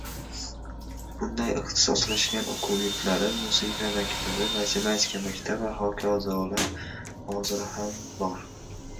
Bunday ixtisoslashgan o‘quv yurtlari — «musiqa maktabi», «matematika maktabi» va hokazolar hozir ham bor.